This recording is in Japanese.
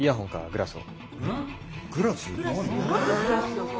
グラス？